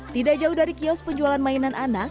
tidak jauh dari kios penjualan mainan anak